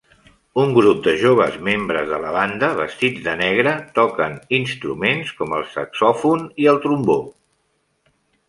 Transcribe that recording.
Un grup de joves membres de la banda vestits de negre toquen instruments com el saxòfon i el trombó.